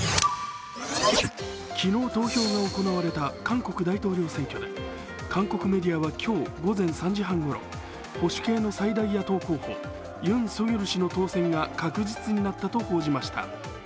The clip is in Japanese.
昨日、投票が行われた韓国大統領選挙で韓国メディアは今日午前３時半ごろ保守系の最大野党候補・ユン・ソギョル氏の当選が確実になったと伝えました。